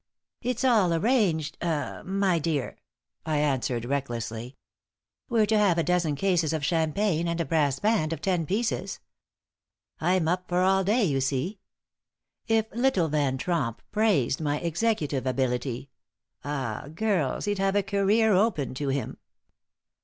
"It's all arranged ah my dear," I answered, recklessly. "We're to have a dozen cases of champagne and a brass band of ten pieces. I'm up for all day, you see. If little Van Tromp praised my executive ability ah girls, he'd have a career open to him.